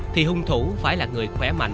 thì hung thủ phải là một người khỏe mạnh